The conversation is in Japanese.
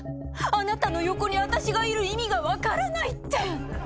あなたの横にあたしがいる意味が分からないって。